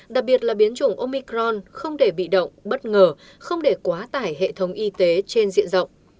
đặc biệt là biến chủng omicron không để bị động bất ngờ không để quá tải hệ thống y tế trên diện rộng